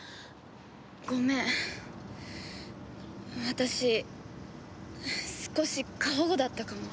私少し過保護だったかも。